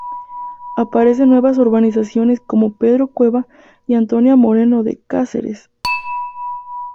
Aparecen nuevas urbanizaciones como Pedro Cueva y Antonia Moreno de Cáceres.